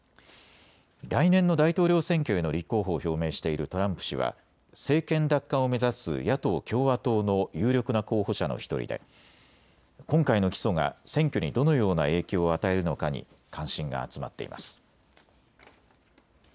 来年の大統領選挙への立候補を表明しているトランプ氏は政権奪還を目指す野党・共和党の有力な候補者の１人で今回の起訴が選挙にどのような影響を与えるのかに関心が集まっています。